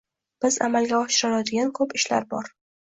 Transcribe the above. Biz amalga oshira oladigan ko‘p ishlar bor